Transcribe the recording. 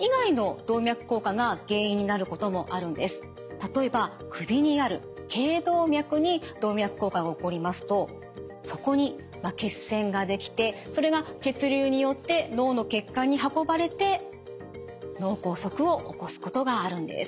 例えば首にある頚動脈に動脈硬化が起こりますとそこに血栓ができてそれが血流によって脳の血管に運ばれて脳梗塞を起こすことがあるんです。